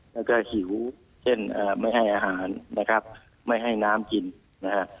แล้วก็หิวเช่นไม่ให้อาหารนะครับไม่ให้น้ำกินนะฮะ